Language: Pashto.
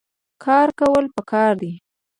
کار کول پکار دي